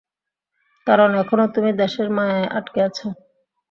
কারণ এখনো তুমি দেশের মায়ায় আটকে আছো।